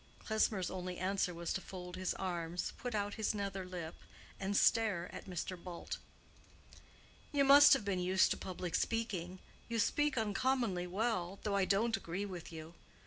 Klesmer's only answer was to fold his arms, put out his nether lip, and stare at Mr. Bult. "You must have been used to public speaking. You speak uncommonly well, though I don't agree with you.